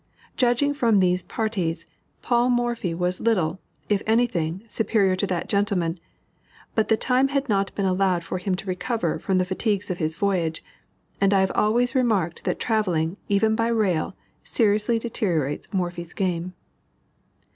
Judging from these parties, Paul Morphy was little, if any thing, superior to that gentleman, but time had not been allowed him to recover from the fatigues of his voyage, and I have always remarked that travelling, even by rail, seriously deteriorates Morphy's game.